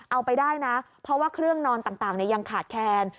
เอาไปได้นะเพราะว่าเครื่องนอนต่างยังขาดแคลน